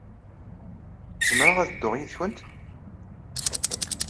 Zemreɣ ad dduɣ yid-went?